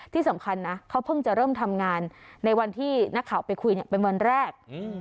ที่สำคัญนะเขาเพิ่งจะเริ่มทำงานในวันที่นักข่าวไปคุยเป็นวันแรก